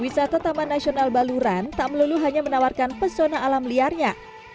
wisata taman nasional baluran tak melulu hanya menawarkan pesona alam liarnya